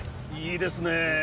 いいですねえ！